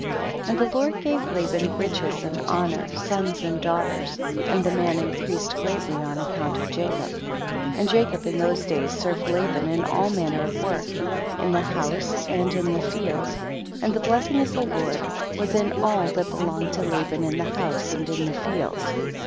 19. And the Lord gave Laban riches and honor, sons and daugh ters, and the man increased greatly on account of Jacob. 20. And Jacob in those days serv ed Laban in all manner of work, in the house and in the field, and the blessing of the Lord was in edl that belonged to Laban in the house and in the field.